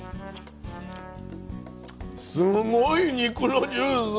すごい肉のジュースが。